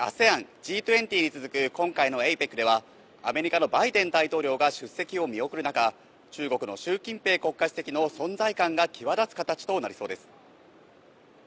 ＡＳＥＡＮ、Ｇ２０に続く今回のＡＰＥＣではアメリカのバイデン大統領が出席を見送る中、英国のシュウ・キンペイ国家主席の存在感が際立つ形となりそうです。